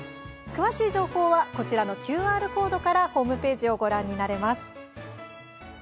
詳しい情報はこちらのＱＲコードからホームページをご覧になれます。